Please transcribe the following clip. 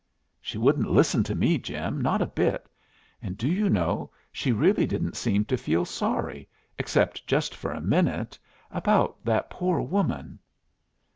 "She wouldn't listen to me, Jim, not a bit. And, do you know, she really didn't seem to feel sorry except just for a minute about that poor woman."